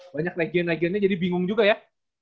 banyak region regionnya jadi bingung juga ya